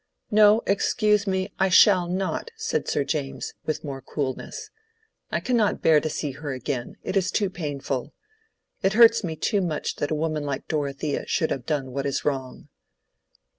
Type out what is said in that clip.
"No—excuse me—I shall not," said Sir James, with more coolness. "I cannot bear to see her again; it is too painful. It hurts me too much that a woman like Dorothea should have done what is wrong."